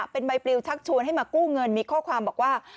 เป็นใบปลิวชักชวนให้มากู้เงินมีข้อความบอกว่า